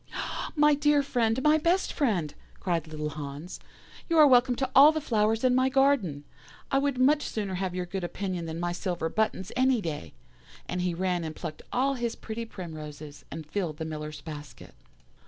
"'My dear friend, my best friend,' cried little Hans, 'you are welcome to all the flowers in my garden. I would much sooner have your good opinion than my silver buttons, any day'; and he ran and plucked all his pretty primroses, and filled the Miller's basket.